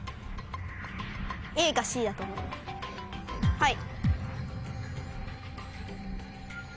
はい。